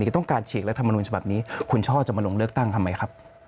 ต้องการฉีกรัฐมนุนฉบับนี้คุณช่อจะมาลงเลือกตั้งทำไมครับ